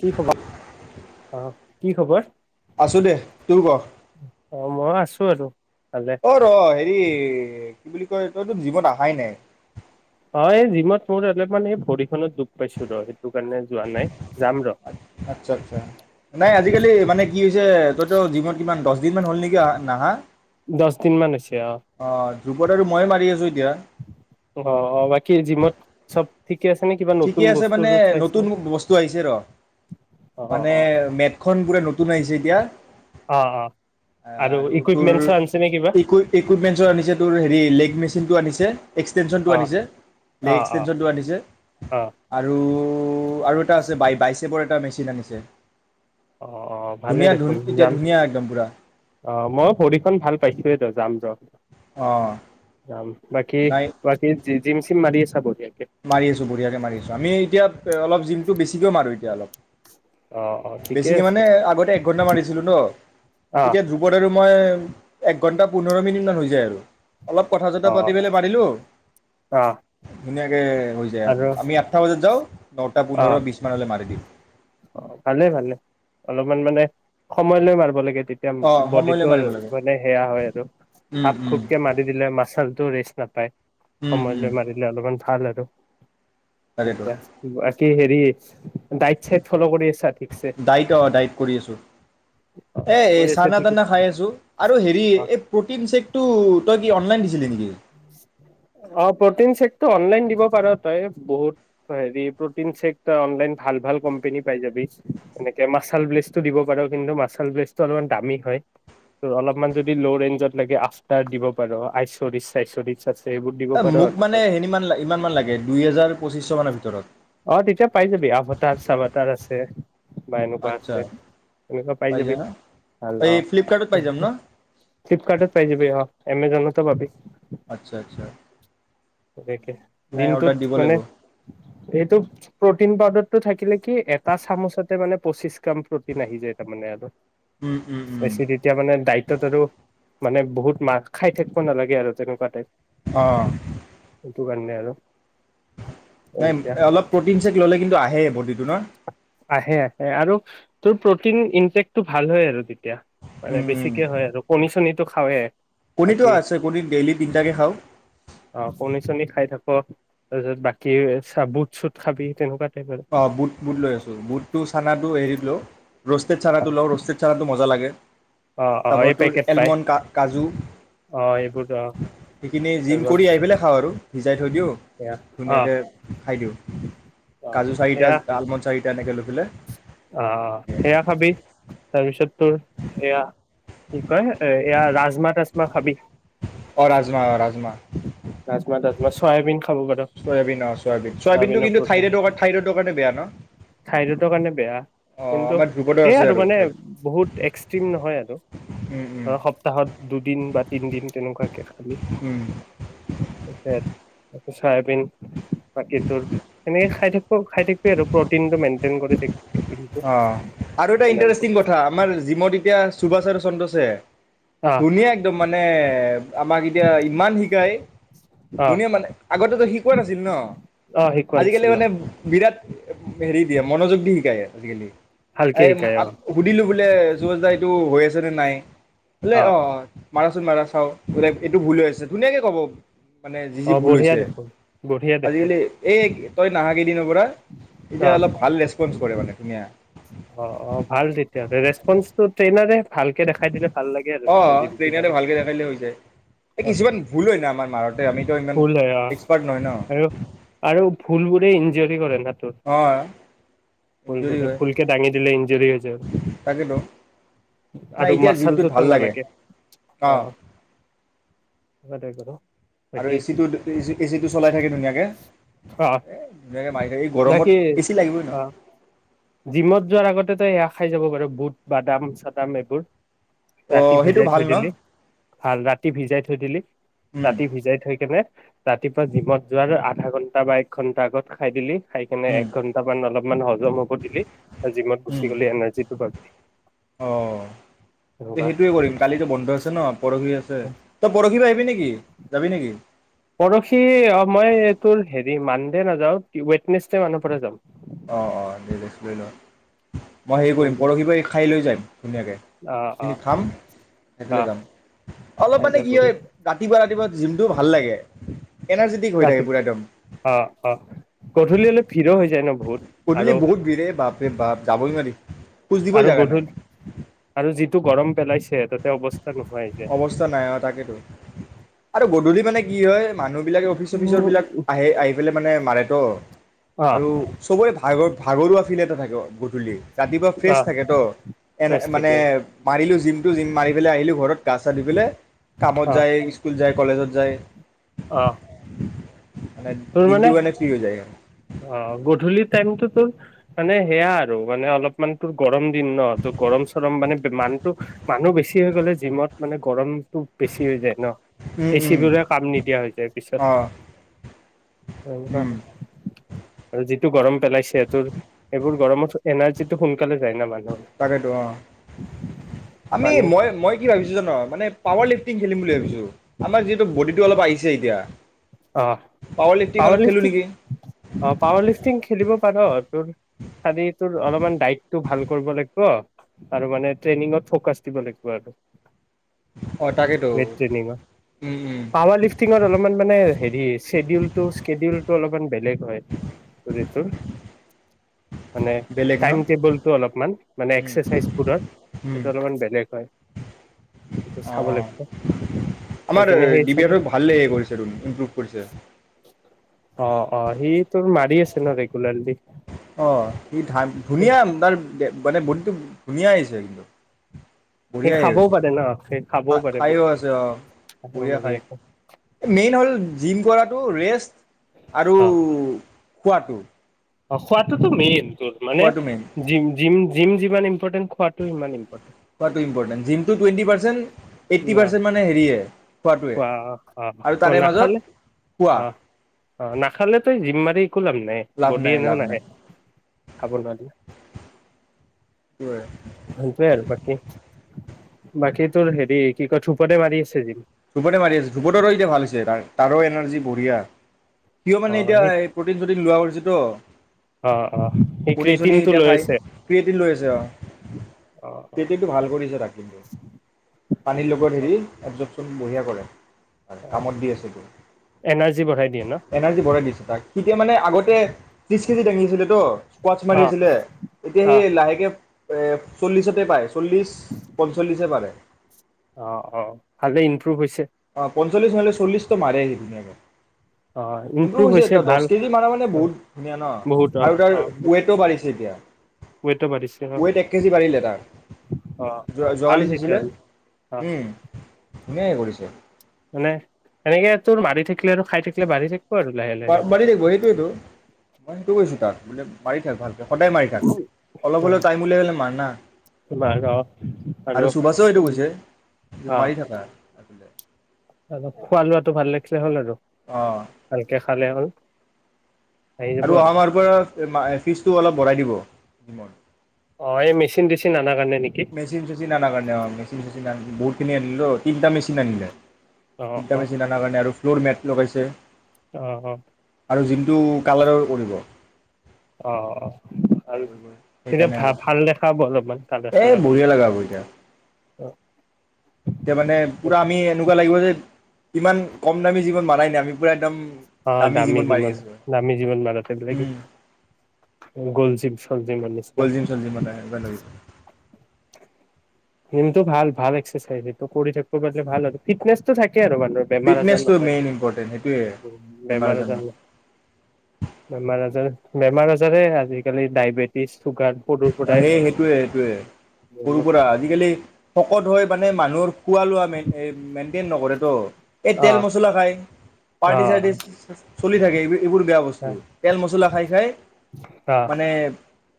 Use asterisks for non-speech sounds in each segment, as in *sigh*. কি খবৰ অ কি খবৰ আছোঁ দে তোৰ কহ অঁ মই আছোঁ আৰু ভালে অ ৰ হেৰি কি বুলি ক তই তইতো জিমত অহাই নাই অ এই জিমত মোৰ অলপ মানে ভৰিখনত দুখ পাইছো ৰ কাৰণে যোৱা নাই যাম ৰ আচ্ছা আচ্ছা নাই আজিকালি মানে কি হৈছে তইতো জিমত কিমান দহ দিনমান হ'ল নেকি নহা দচ দিন মান হৈছে অ ৰূপত আৰু মই মাৰি আছো এতিয়া অ অ বাকী জিমত চব ঠিকে আছে নে কিবা ঠিকে নতুন আছে বস্তু মানে চাইছে নতুন নে বস্তু আহিছে ৰ অ অ মানে অ মেটখন পুৰা নতু তুন আহিছে এতিয়া অ অ আৰু তোৰ ইকুইপমেন্টছো আনিছে নে কিবা ইকুইপমেন্সও আনিছে তোৰ হেৰি লেগ মেচ চিনটো আনিছে এক্সটেনশ্যনটো অ আনিছে লেগ অ অ অ এক্সটেনশ্যনটো আনিছে আৰু আৰু এটা আছে বাই বাই এচৰ এটা মেচিন আনিছে অ অ ভালে ধুনীয়া ধুন দেখোন এতিয়া যাম ধুনীয়া একদম পুৰা অ মই ভৰিখন ভাল পাইছোয়েই ৰ যাম ৰ অঁ বাকি নাই বাকি জিম চিম মাৰি আছো চা *unintelligible* মাৰি আছো বঢ়িয়াকে মাৰি আছো আমি এতিয়া অল জিমটো বেছিকৈ মাৰো তেতিয়া অলপ অ অ ঠিকে বেছিকে আছে মানে আগতে একঘন্টা মাৰিছিলো ন অ এতিয়া ভোকত। মই, এক ঘণ্টা পোন্ধৰ মিনিটমান হৈ যায় আৰু। অলপ কথা জত অ পাতি পেললে মাতিলো অ ধুনীয়াকে আৰু *inaudible* আমি আঠটা বজাত যাওঁ নটা অ', পোন্ধৰৰ বিশ মানলৈ মাৰি দিম মান-মানে সময় লৈ মাৰিব লাগে। তেতিয়া অঁ সময়লৈ বডিটোৰ মাৰিব লাগে মানে সেয়া হয় আৰু উম খাপ উম খুপকে মাৰি দিলে মাচালতটো ৰেষ্ট নাপায় উম সময় উম লৈ মাৰিলে অলপমান খা *unintelligible* তাকেতো এেইতিয়া কি হেৰি দায়িত চাই ফল কৰি ঠিকছে ডাইট অ ডাইট কৰি আছো এ হৈ আছে চানা ঠিকে তানা খাই আছো আৰু হেৰি অ', এই প্ৰতিন চেকটো তই কি অনলাই দিছিলে নেকি এ অ প্ৰটিন চে্ তই অনলাইন দিব পাৰ তই বহুত হেৰি প্ৰ'টিন চেক তই অনলাইন ভাল ভাল কোম্পেনী পাই যাবি এনেকে মাছাল ব্লেছটো দিব পাৰ কিন্তু মাচাল ব্লেছটো অলপমান দামী হয় ত' অলপমান যদি ল' ৰেঞ্জত লাগে আফটাৰ দিব পাৰ আইচৰিচ *unintelligible* এ পাৰ মোক আৰু মানে তই। হে ইমানমান লাগে দুই হেজাৰ পঁচিশ মানৰ ভিতৰত অ তেতিয়া পাই যাবি আভটাৰ চভটাৰ আছে বা এনেকুৱা আচ্ছা আছে এনেকুৱা পাই যাবি যায় ন ভাল অ এই ফ্লিপকাৰ্টত পাই যাম ন ফ্লিপকাৰ্টত পাই যাবি অ এমজনত ত *unintelligible* আচ্ছা, আচ্ছা। দেখ নাই দিনটোত অৰ্ডাৰ দিব মানে লাগিব প্ৰটিন পাউডাৰটো থাকিলে কি এটা চামুচতে মানে পঁচিশ গ্ৰাম প্ৰটিন আহি যায় তাৰমানানে আৰু উম উম উম বেছি তেতিয়া মানে দায়িত্বত আৰু মানে, বহুত মাৰ খাই থাকিব নালাগে আৰু তেনেকুৱা টাইপ। অঁ সেইটো কাৰনে হেল্ল' নাই। এ, অলপ প্ৰ'টিন চেক ল'লে কিন্তু আহে বডিটো ন? আহে, আহে আৰু তোৰ প্ৰটিন ইনটেকটো ভাল হয় আৰু তে এতিয়া। মানে উম উম বেছিকে হয় আৰু কণী চনীত তো খাওৱে কণীটো বাকী আছে কণী ডেইলি তিনিটাকে খাওঁ অ কণী চনী খাই থাক তাৰপিছত বাকী চ বুট চুট খাবি তেনেকুৱা টাইপ আৰু বা বুত বুট লৈ আছো বুটটো চানাটো হেৰিত লওঁ ৰ'ষ্টেড অ ছডাটো লওঁ ৰষ্টে চাৰডাটোো মজা লাগে অ অ তপৰা এই তোৰ পেকেট পাই এলমণ্ড কাজু অ এইবোৰ অ সেইখিনি জিম এজন কৰি আহি পেলাই খাওঁ আৰু ভিজাই থৈ দিওঁ সেয়া অ ধুনীয়াকে খাই দিওঁ অ কাজু চাহিটা সেয়া আলমণ্ড চাহি তেনেকৈ লৈ পেলে অ অ সেয়া খাবি তাৰপিছত তোৰ এয়া কি কয় এয়া ৰাজমাহ তাজমা খাবি অ ৰাজমা ৰাজমা ৰাজমা তাজমা চয়াবিন খাব পাৰ চয়াবিন অ চয়াবিন চয়াবিনটো চয়াবিনৰ কিন্তু প্ৰটিন থাইৰইডৰ থাইৰইডৰ কাৰণে বেয়া ন থাইৰয়ডৰ কাৰণে বেয়া অ কিন্তু আমাৰ ধ্ৰুপদৰ সেয়াই আছে আৰু মানে থাইৰইড বহুত এক্সট্ৰিম নহয় আৰু উম ধৰ উম সপ্তাহত দুদিন বা তিনদিন তেনেকুৱাকে খালি উম আ চাইাবিন বাকী তোৰ সেনেকে খাই থাকো খাই থাক আৰু প্ৰটিনটো কৰি থাক কিন্তু অ আৰু এটা এনাৰ্জি ইণ্টাৰেষ্টিং কথা আমাৰ জিমত এতিয়া সুভাষ আৰু চন্দ্ৰ অ *inaudible* ধুনীয়া একদম মানে আমাক এতিয়া ইমান শিকায় অ ধুনীয়া মানে আগতেতো শিকোৱা নাছিল ন অ শিকোৱা আজিকালি নাছিলো মানে বিৰাট হেৰি দিয়ে মনোযোগ দি শিকায় আজিকালি ভালকে এই শিকাই অ সুধিলো বোলে য যাই টো হৈ আছে নে নাই অ অ মাৰাচোন মাৰা চাওঁ বোলে এইটো ভুল হৈ আছে ধুনীয়াকে ক'ব মানে যি অ যি ভুল বঢ়িয়া হৈছে দেখোন বঢ়িয়া দেখোন আজিকালি এই তই নাহাগ পৰা এতিয়া অ অলপ ৰেচপঞ্চ কৰে মানে ধুনীয়া অ অ ভাল তেতিয়াহ'লে ৰেচপন্ঞ্চটো ট্ৰেইনাৰে ভালকে দেখাই দিলে ভাল লাগে আৰু অ তেতিয়া জিমটো ট্ৰেইনতে পাৰি ভালকে থখিলে হৈ যায় এই অ কিছুমান ভুল হয় ন আমাৰ মাৰতে আমিতো ইমান ভুল হয় অ এক্সপাৰ্ট নহয় ন দি কৰে তোৰ অ ইঞ্জুৰি হয় ভুলকে দাঙি দিলে ইনজুৰি হৈ যায় তাকেতো নাই আৰু এতিয়া জিমটোত ভাল মাচালটোতো লাগে নালাগে অ বদে কৰো আৰু বাকী এচিটো এচিটো চলাই থাকে ধুনীয়াকৈ অ ধুনীয়াকৈ মাৰি থাকে এই বাকী গৰমত এ চি লাগিবই ন অ জিমত যোৱাৰ আগতে তো সয়া খাই যাব পাৰ বুট বাদাম চাদাম এইবোৰ ৰাতি অঁ সেইটো ভিজাই ভাল থৈ ন দিলি ভাল ৰাতি ভিজাই থৈ দিলি উম ৰাতি ভিজাই থৈ কেনে ৰাতিপুৱা জিমত যোৱাৰ আধা ঘন্টা বা এক ঘন্টা আগত খাই দিলি খাই কিনে উম একঘন্ট মান অলপমান হজম হ জিমত গুচ গলি এনাৰজি তোপাত অ সেইটোৱে কৰিম কালিতো বন্ধ আছে ন পৰহি আছে তই পৰহি পৰা আহিবি নেকি যাবি নেকি পৰশি মই এই তোৰ হেৰি মান নাযাও ৱেত্নেছ দে মান পৰা যাওঁ অ অ নিৰ্দেশ লৈ লোৱা মই হেৰি কৰিম পৰহি ব খাই লৈ যাম ধুনীয়াকে অ অ সখিনি খাম খাই পেলাই আহ যাম অলপ মানে কাইলৈ কি গৰু হয় ৰাতিপুৱা ৰাতিপুৱা জিমটো ভাল লাগে এনাৰ্জেটিক হৈ থাকে পূৰা একদম ৰাতিপুৱ অ অ গধূলি অলপ ভিৰো হৈছে গধূলি বহুত ভিৰ এ বাপৰে বাপ যাবই নোৱাৰি খোজ দিবই আৰু জেগা নাই গধূল আৰু যিটো গৰম পেলাইছে অৱস্থা নোহোৱাই যায় অৱস্থা নাই অ তাকেইেতটো আৰু গধূলি মানে কি হয় মানুহ বিলাকে অফিচ অফিচৰ বিলাক আহে আহি পেলাই মানে মাৰে ছ অ আৰু চবৰে ভাগৰ ভাগৰুৱা ফিল এটা থাকে গধূলি ৰাতিপুৱা ফ্ৰেছ অ থাকে তো এ ফ্ৰেছ মানে থাকে মাৰিলো জিমটো জিম মাৰি আহ পেলাই আহিলো ঘৰত কা চা দি পেলাই কামত যায় স্কুল যায় কলেজত য যায় আহঁ উ *inaudible* *unintelligible* তোৰ মানে অ গধূলিত ত মানে সেয়া আৰু মানে অলপমান তোৰ গৰ ন ত গৰম চৰম মানে মানতটো মানুহ বেছি হৈ গ'লে জিমত মানে গৰমতটো বেছি হৈ যায় ন উম এ চি উম বোৰে কাম নিদিয়া হৈছে পিছত অঁ নেকুৱা উম আৰু যিটো গৰম পেলাইছেহ তোৰ এইব গৰ এৰ্ তাকেইেতো অ আমি পানী মই মই কি ভাবিছো জানো মানে পাৱাৰ লিফটিং খেলিম বুলি ভাবিছো আমাৰ যিহেতু বডিটো অলপ আহিছে এতিয়া, অ' লিফ্টিং পাৱাৰ অলপ খেলোঁ লিফটিং নেকি অ পাৱাৰ লিফটিং খেলিব *inaudible* তোৰ চাবি তোৰ অলপমান দায়িতটো ভাল কৰিব লাগিব আৰু মানে ট্ৰেইনিত ফকাচ দিব লাগিব আৰু, অ তাকেতো ট্ৰ উম উম পাৱাৰ লিফটিংত অলপমান মানে শ্বেডিউলটো শেডিউলটো অলপমান বেলেগ হয়ত মানে বেলেগ ন টাইম টেবুলটো অলপমান মানে উম এক্সাৰচাইজবোৰৰ উম সেইটো অলপমান বেলেগ হয় সেইটো অ চাব অ লাগিব সেইকাৰণে সেই হিচাপে ইমপ্ৰুভ কৰিছে অ অ সি তোৰ মাৰি আছে ন ৰেগুলাৰলি অ সি ধা ধুনীয়া তাৰ মানে বলটো ধুনীয়া আহিছে কিন্তু সি বঢ়িয়াই খাবও হৈছে পাৰে ন সি খাবও পাৰে খাইও আছে অ পুৰা বঢ়িয়া খাই বঢ়িয়াকে মেইন হ'ল জিম কৰাত টো ৰেষ্ট আৰু অ খোৱাটো অ খোৱটোতো মেইন মানে খোৱাটো মেইন জিম জিম জি যিমান ইম্পৰ্টেট খটো ইমৰ্টে খোৱাটো ইম্পৰ্টেণ্ট জিমটো টুৱেণ্টি পাৰ্চেণ্ট এইট্টি ন পাৰ্চেন্ট মানে হেৰিয়ে খোৱাটোৱে খোৱা অ অ আৰু খোৱা তাৰে মাজত নাখালে খোৱা অ অ নাখালে তই যিমান, একো লাম নাই লাভ বডি নাই এনেহও লাভ নাহে নাই খাব নোৱাৰি, সেইটোৱে সটো আৰু পাকী, বাকী তোৰ হেৰি কি কয় ধুপদে মাৰি আছে জিম। ধূপতে মাৰি আছে। ধূপদাৰো এতিয়া ভাল হৈছে তাৰ তাৰো এনাৰ্জি বঢ়িয়া। কিয় মানে অ এতিয়া, সি এই প্ৰটিন চটিন লোৱা কৰিছিল। ক- অ অ সি কণী চনি ক্ৰেটিনটো এতিয়া লৈ খাই আছে ক্ৰীয়েটিন লৈ আছে। অ অ অ ক্ৰিয়েটিনটো ভাল কৰিছে তাক কিন্তু পানীৰ লগত অ হেৰি এৱজভ উম বঢ়িয়া কৰে। হয় অ কামত দি আছেটো। এনাৰ্জি বঢ়াই দিয়ে ন এনাৰ্জি বঢ়াই দিছে তাক। তেতিয়া মানে আগতে, ত্ৰিশ কেজি দাঙিছিলো। ত কুৱাছ মাৰি অ আছিলে। এতিয়া অ সেই লাহেকে এ চল্লিছতে পাই। চল্লিছ পঞ্চল্লিছ এ পাৰে। ইমপ্ৰভ হৈছে। অ পঞ্চল্লিছ নহলে চল্লিত মাৰে সি ধুনীয়াকে। অ ইমপ্ৰভ ইমপ্ৰুভ হৈছে তা ভাল দহ কেজি মাৰা মানে অ বহুত ধুনীয়া ন বহুত অ আৰু তাৰ অ ৱেট বাঢ়িছে এতিয়া। ৱেইটো বাঢ়িছে অ ৱেট এক কেজি বাঢ়িলে তাৰ অ অ যোৱা, ভাল যোৱাকালি ছাইছিলে। তেতিয়াহ'লে অ ধুনীয়েকে কৰিছে। মানে তেনেকে তোৰ মাৰি থাকিলে আৰু খাই থাকিলে বাঢ়ি থাকি বাৰ মাৰি থাকিব সেইটোৱেটো। মই সেইটো কৈছো তাক। মানে মাৰি থাক ভাল। সদায় মাৰি থাক। অলপ অ হ'লেও টাইম উলিয়াই হলে মাৰ না। তোমাৰ অ আৰু সুভাষেও এইটো কৈছে যে অ মাৰি থাকা আচলতে। আৰু খোৱা লোৱাটো ভাল ৰাখিলে হ'ল আৰু। অঁ ভালকে খালে হ'ল। আহি যাব আৰু অহা মাহৰ পৰা। ফিজটো অলপ বঢ়াই দিব জিমৰ। অ'এই মেচিন টেচিন আনাৰ কাৰণে। নেকি মেচিন চেচিন আনাৰ কাৰনে। অ মেচিন চেচিন আন বহুত খিনি আনিলো। তিনিটা মেচিন আনিলে। অ অ তিনিটা অ মেচিন আনাৰ কাৰনে আৰু। ফ্ল'ৰ মেট লগাইছে। অ' জিমটো কালাৰ কৰিব। অ, অ' ভাল। তেতিয়া সেইকাৰণে ভা আৰু ভাল দেখা হব অলপমান কালাত এই চালাৰ কৰিলে। বঢ়িয়া *inaudible* তিয়া মানে পুৰা আমি এনেকুৱা লাগিব যে ইমান কম দামী জীৱন মাৰাইনা আমি পুৰা একদম অ' দামী জীৱন মাৰি জীমত, আছোঁ দামী জীমত মাৰাতে ব্লেগে। গলজিম চলজিমৰ নিচনা। গ'ল জিম চল জিম *inaudible* ৰিমটো ভাল ভাল এক্সেচাইজ এইটো কৰি থাকব পাৰল ভাল আৰু ফিটনেছটো থাক কি আৰু বান্দৰ বেমাৰ আজাৰ ফিটনেছটো নহয়। মেইন ইম্পৰ্টেণ্ট সেইটোৱে উম বেমাৰ আজাৰ নয়, বেমাৰ আজাৰ। বেমাৰ আজাৰে আজিকালি ডায়বেটিছ চুগাৰ সৰুৰ অ পৰাই সেই হয় সেইটোয়ে সেইটোয়ে বহুত সৰুপৰা আজিকালি শকত হৈ মানে মানুহোৰ খোৱালোৱা মেই এই মেইনটেইন নকৰে ত। এই তেল অ', মছলা খায়। পাৰ্টি অ', চাৰ্টি চলি থাকে এইবি এইবোৰ বেয়া বস্তু। তেল মচ চুলা খায় খায়। অ', মানে,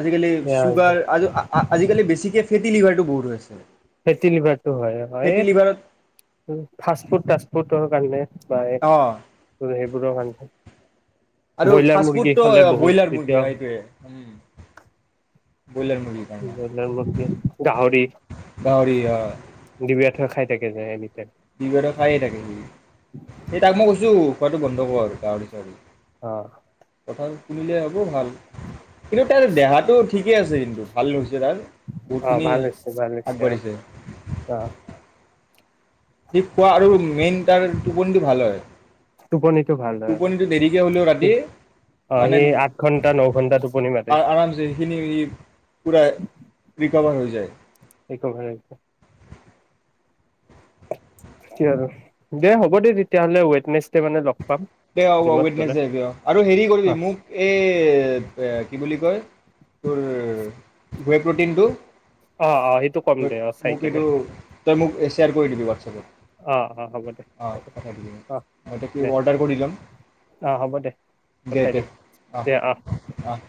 আজিকালি সেয়া চুগাৰ আজো আ-আ-আজিকালি বেছিকে ফিট ইলিভাৰটো বহুত হৈ আছে। ফেটি লিভাৰটো হয় ফেটি হয়ে, লিভাৰত ফাষ্ট ফুড টাষ্ট ফুড তৰ কাৰনে। পায় অঁ তোৰ সেইবোৰৰ কাৰনে, আৰু ব্ৰইলাৰ মুৰ্গী ফাষ্টফুডটো খালে বহুত ব্ৰইলাৰ মুৰ্গী তেতিয়াও। সেইটোৱে ব্ৰইলাৰ মুৰ্গীৰ কাৰণে ব্ৰইলাৰ মুৰ্গী, গাহৰি। ডাৱৰীয়া। ব্যৰ্থ খাই থাকে যে এমিত। বিগৰ খায়ে থাকে সি। সে তাক মই কছো। খোৱাটো বন্ধ কৰ আৰু গাৱৰি চাৱৰি। আ *unintelligible* লে হ'ব ভাল? কিন্তু তাৰ দেহাটোত ঠিকে আছে কিন্তু, ভাল লহছে। জৰাল অ', বহুতখিনি ভাল হৈছে ভাল হৈছে অ', আগবাঢ়িছে। অ', সি খোৱা আৰু মেইন তাৰ টোপনিটো ভাল হয়। টোপনিটো ভাল হয় অ', টোপনিটো দেৰিকে হলেও ৰাতি, মানে সি আঠ ঘন্টা ন ঘন্টা টোপনি মাৰে আ-আৰামচে সেইখিনি পুৰা ৰি কভাৰ হৈ যায় এই কো ভছে, স আৰু দে হ'ব দে তেতিয়াাহ'লে ৱটনেচ মানে লগ, পাম দে অ ব জিমত গ'লে উৱইটনেছে অ আৰু হেৰি কৰিবি অ মোক এই কি বুলি কয় তোৰ, গৈ প্ৰ'টিনটো অ অ সেইটো কম দে অ চাই মোক কেনে এইটো তই মোক শ্বেয়াৰ কৰি দিবি হোৱাটছএপত অ অ হ'ব দে অঁ কথা অ দে দিবি, অৰ্ডাৰ কৰি ল'ম অ হ'ব দে দে পঠাই দে দিম দে অ অহ অ'